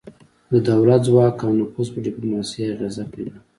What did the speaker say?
د دولت ځواک او نفوذ په ډیپلوماسي اغیزه کوي